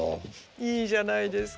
いいじゃないですか。